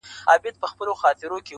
o ته مي د ښكلي يار تصوير پر مخ گنډلی.